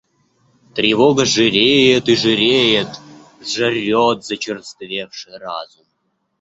Тревога жиреет и жиреет, жрет зачерствевший разум.